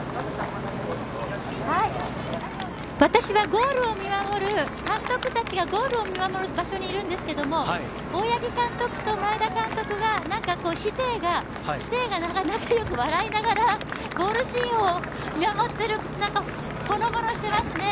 私は監督たちがゴールを見守る場所にいるんですが大八木監督と前田監督が師弟が仲よく笑いながらゴールシーンを見守っているほのぼのしてますね。